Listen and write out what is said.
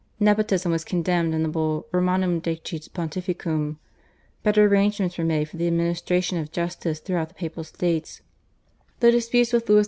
Nepotism was condemned in the Bull /Romanum Decet Pontificum/, better arrangements were made for the administration of justice throughout the Papal States; the disputes with Louis XIV.